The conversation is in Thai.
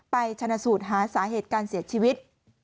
ชนะสูตรหาสาเหตุการเสียชีวิต